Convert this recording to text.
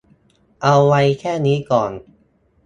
เอาไว้แค่นี้ก่อน